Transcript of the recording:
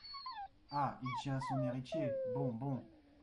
Ah, il tient à son héritier ! bon, bon.